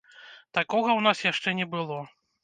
Такога ў нас яшчэ не было.